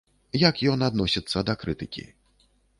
Як ён адносіцца да крытыкі?